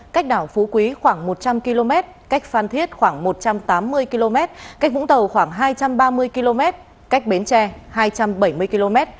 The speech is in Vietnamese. cách đảo phú quý khoảng một trăm linh km cách phan thiết khoảng một trăm tám mươi km cách vũng tàu khoảng hai trăm ba mươi km cách bến tre hai trăm bảy mươi km